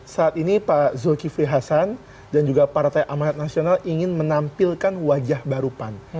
saat ini pak zulkifli hasan dan juga partai amanat nasional ingin menampilkan wajah baru pan